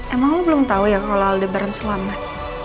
emang lo belum tau ya kalo aldebaran selamat